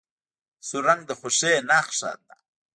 سور رنګ د خوښۍ نښه ده.